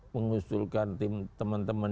mengusulkan tim teman teman